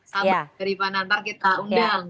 sabar beri panah nanti kita undang